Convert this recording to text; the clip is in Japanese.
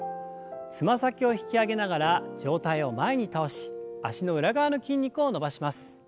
つま先を引き上げながら上体を前に倒し脚の裏側の筋肉を伸ばします。